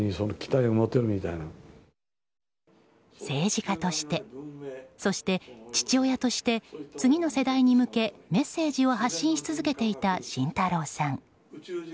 政治家としてそして父親として次の世代に向けメッセージを発信し続けていた慎太郎さん。